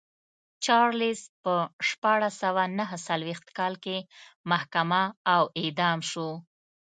چارلېز په شپاړس سوه نه څلوېښت کال کې محاکمه او اعدام شو.